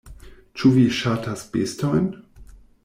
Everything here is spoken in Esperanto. Ĉu vi ŝatas bestojn?